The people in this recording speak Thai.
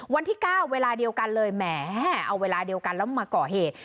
วันที่๙เวลาเดียวกันเลยแหมเอาเวลาเดียวกันแล้วมาก่อเหตุ